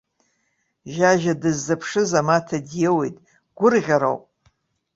Жьажьа дыззыԥшыз амаҭа диоуит, гәырӷьароуп!